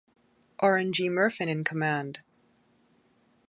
Orin G. Murfin in command.